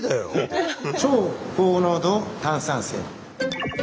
「超高濃度炭酸泉」。